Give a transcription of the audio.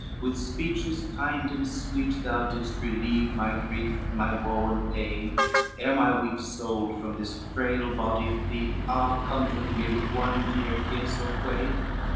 with speeches kind and sweet Thou didst relieve my grief, my woe and pain, Ere my weak soul from this frail body fleet, Ah, comfort me with one dear kiss or twain!